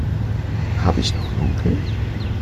Habe ich noch Nudeln?